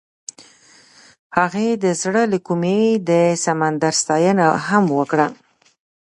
هغې د زړه له کومې د سمندر ستاینه هم وکړه.